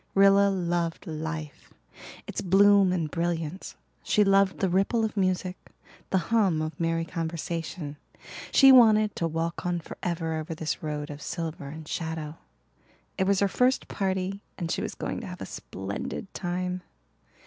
Rilla loved life its bloom and brilliance; she loved the ripple of music, the hum of merry conversation; she wanted to walk on forever over this road of silver and shadow. It was her first party and she was going to have a splendid time.